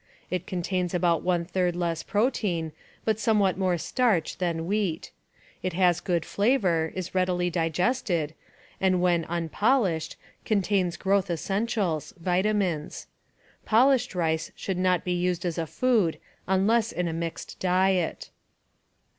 It contains about one third less protein, but somewhat more starch than wheat. It has a good flavor, is readily digested, and when "unpolished" contains growth essentials (vitamins). Polished rice should not be used as a food unless in a mixed diet.